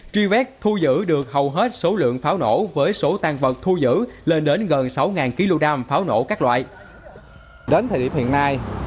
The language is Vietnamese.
truy vét thu giữ được hầu hết số lượng pháo nổ với số tăng vật thu giữ lên đến gần sáu kg đam pháo nổ các loại